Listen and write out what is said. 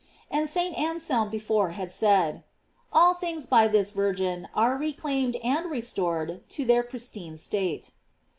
* And St. Anselm before had said: All things by this Virgin are reclaimed and restored to their pristine Btate.